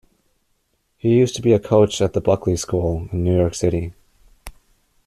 He used to be a coach at the Buckley School in New York City.